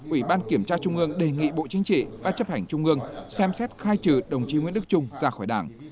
ủy ban kiểm tra trung ương đề nghị bộ chính trị ban chấp hành trung ương xem xét khai trừ đồng chí nguyễn đức trung ra khỏi đảng